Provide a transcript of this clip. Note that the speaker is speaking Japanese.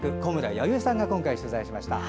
弥生さんが今回取材しました。